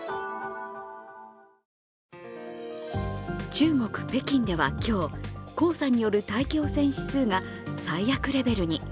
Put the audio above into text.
中国・北京では今日、黄砂による大気汚染指数が最悪レベルに。